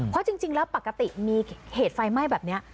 เพราะจริงแล้วปกติมีเหตุไฟไหม้แบบนี้